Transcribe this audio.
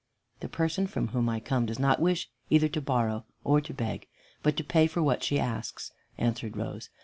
"The person from whom I come does not wish either to borrow or to beg, but to pay for what she asks," answered Rose.